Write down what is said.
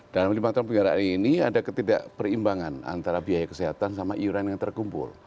dalam lima tahun penjara kali ini ada ketidakperimbangan antara biaya kesehatan sama iuran yang terkumpul